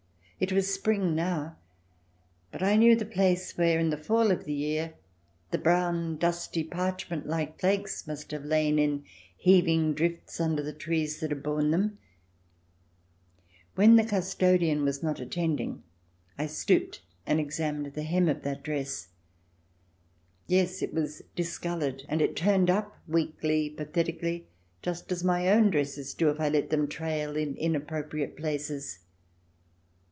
It was spring now, but I knew the place where, in the fall of the year, the brown, dusty, parchment like flakes must have lain in heaving drifts under the trees that had borne them. When the custodian was not attending, I stooped CH. xvii] QUEENS DISCROWNED 249 and examined the hem of that dress. Yes, it was discoloured, and it turned up, weakly, pathetically, just as my own dresses do if I let them trail in in appropriate places.